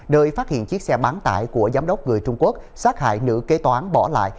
nơi phát hiện chiếc xe bán tải của giám đốc người trung quốc sát hại nữ kế toán bỏ lại